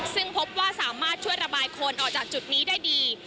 ซึ่งพบว่าสามารถช่วยระบายคนออกจากจุดนี้ได้ดี